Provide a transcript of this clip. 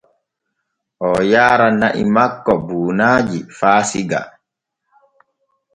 Oo yaara na’i makko buunaaji faa Siga.